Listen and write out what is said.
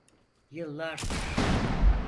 Yıllardır.